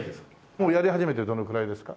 もうやり始めてどのくらいですか？